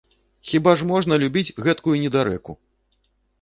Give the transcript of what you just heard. Хіба ж можна любіць гэткую недарэку!